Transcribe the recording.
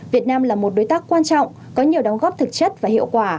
việt nam là một đối tác quan trọng có nhiều đóng góp thực chất và hiệu quả